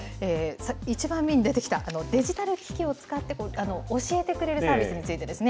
１番目に出てきたデジタル機器を使って教えてくれるサービスについてですね。